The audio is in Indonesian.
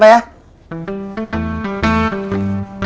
saya mau lihat dulu jadwal eyang gledek